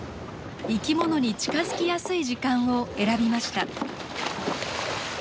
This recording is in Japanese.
生きものに近づきやすい時間を選びました。